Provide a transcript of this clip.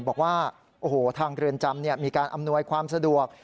บอกว่าโอ้โหทางเรือนจำมีการอำนวยความสะดวก